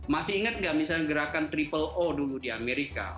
masih ingat nggak misalnya gerakan triple o dulu di amerika